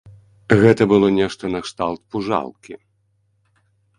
Гэта было нешта накшталт пужалкі.